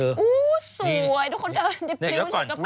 อู้วสวยทุกคนเดินได้พลิกกับกระเป๋า